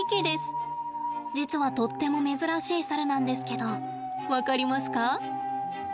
実は、とっても珍しい猿なんですけど分かりますか？